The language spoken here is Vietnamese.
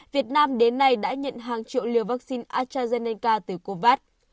việt nam đến nay đã nhận hàng triệu liều vaccine astrazeneca từ covax